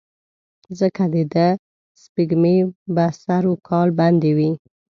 ځکه دده سپېږمې به سر وکال بندې وې.